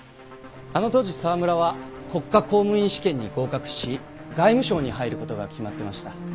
あの当時沢村は国家公務員試験に合格し外務省に入る事が決まってました。